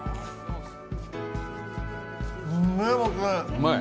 うまい？